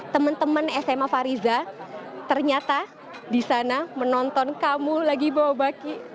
teman teman sma fariza ternyata di sana menonton kamu lagi bawa baki